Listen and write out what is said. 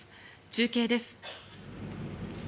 中継です。